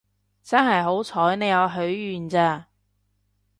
真係好彩你有許願咋